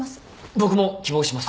僕も希望します。